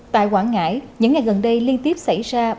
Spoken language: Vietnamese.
tại quảng ngãi những ngày gần đây liên tiếp xảy ra